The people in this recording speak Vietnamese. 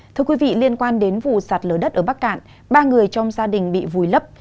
thưa quý vị liên quan đến vụ sạt lở đất ở bắc cạn ba người trong gia đình bị vùi lấp